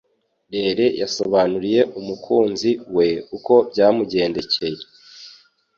Rere yasobanuriye umukunzi we uko byamugendekey